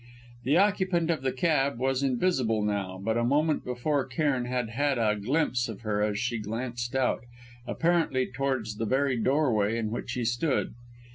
The occupant of the cab was invisible now, but a moment before Cairn had had a glimpse of her as she glanced out, apparently towards the very doorway in which he stood.